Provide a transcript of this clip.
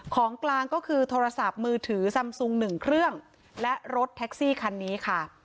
ของกลางก็คือโทรศัพท์มือถือซำซุงหนึ่งเครื่องและรถแท็กซี่คันนี้ค่ะ